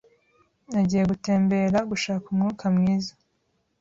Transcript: Nagiye gutembera gushaka umwuka mwiza.